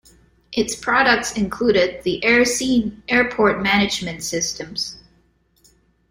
Its products included the 'AirScene' Airport Management systems.